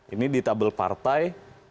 ini di tabel partai